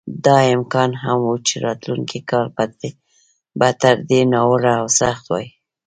دا امکان هم و چې راتلونکی کال به تر دې ناوړه او سخت وای.